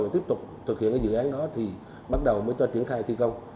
và tiếp tục thực hiện cái dự án đó thì bắt đầu mới cho triển khai thi công